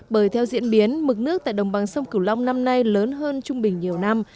bởi theo diễn biến mực nước tại đồng bằng sông cửu long năm nay lớn hơn trung bình nhiều năm